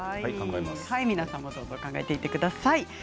皆さんもどうぞ考えていてください。